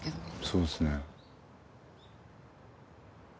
そうですね。